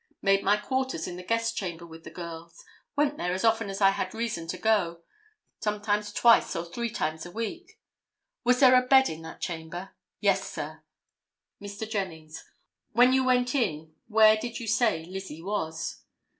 Made my quarters in the guest chamber with the girls. Went there as often as I had reason to go, sometimes twice or three times a week." "Was there a bed in that chamber?" "Yes sir." Mr. Jennings—"When you went in where did you say Lizzie was?"